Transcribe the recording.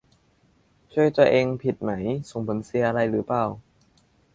ช่วยตัวเอง ผิดไหม ส่งผลเสียอะไรหรือเปล่า